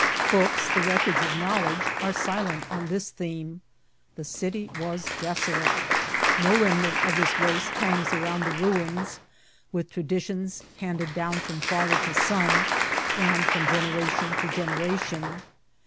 Books, the records of knowledge, are silent on this theme. The city was desolate. No rem* nant of this race hangs round the ruins, with traditions handed down from father to son, and from generation to generation.